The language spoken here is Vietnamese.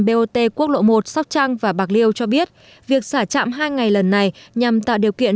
bot quốc lộ một sóc trăng và bạc liêu cho biết việc xả chạm hai ngày lần này nhằm tạo điều kiện